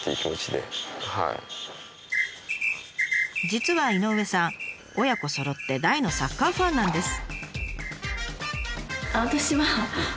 実は井上さん親子そろって大のサッカーファンなんです。